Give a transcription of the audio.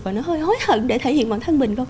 và nó hơi hối hận để thể hiện bản thân mình thôi